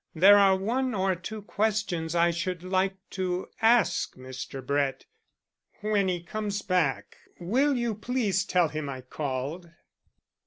There are one or two questions I should like to ask Mr. Brett. When he comes back, will you please tell him I called?"